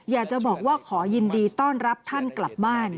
อยากจะบอกว่าขอยินดีต้อนรับท่านกลับบ้าน